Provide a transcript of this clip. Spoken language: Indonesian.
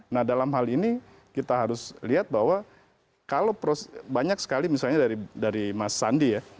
nah dalam hal ini kita harus lihat bahwa kalau banyak sekali misalnya dari mas sandi ya